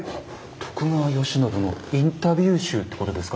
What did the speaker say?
徳川慶喜のインタビュー集ってことですか？